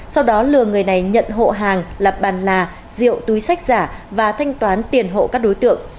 sau đó lừa người này nhận hộ hàng là bàn là rượu túi sách giả và thanh toán tiền hộ các đối tượng